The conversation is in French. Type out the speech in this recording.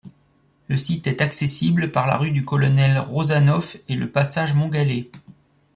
Le site est accessible par la rue du Colonel-Rozanoff et le passage Montgallet.